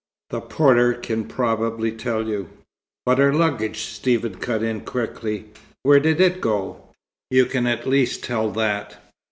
The porter can probably tell you." "But her luggage," Stephen cut in quickly. "Where did it go? You can at least tell that?"